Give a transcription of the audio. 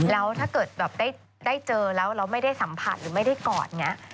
แล้วถ้าเกิดแบบได้เจอแล้วเราไม่ได้สัมผัสหรือไม่ได้กอดอย่างนี้